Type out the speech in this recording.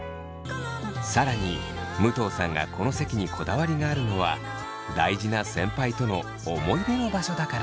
更に武藤さんがこの席にこだわりがあるのは大事な先輩との思い出の場所だから。